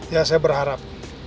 ya saya berharap